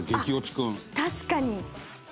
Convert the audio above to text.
確かに！